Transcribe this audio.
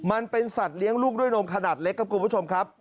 มันเป็นสัตว์เลี้ยงลูกด้วยนมขนาดเล็กครับคุณผู้ชมครับ